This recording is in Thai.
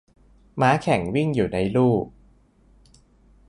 ม้าแข่ง วิ่งอยู่ในลู่